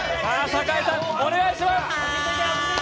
酒井さん、お願いします。